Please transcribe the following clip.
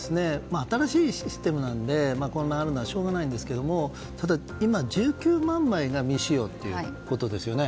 新しいシステムなので混乱があるのはしょうがないんですけどただ、今１９万枚が未使用ということですよね。